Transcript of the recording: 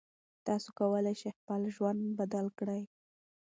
تاسو کولی شئ خپل ژوند بدل کړئ.